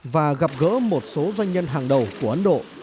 và gặp gỡ một số doanh nhân hàng đầu của ấn độ